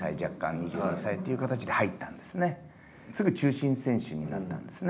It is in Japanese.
すぐ中心選手になったんですね。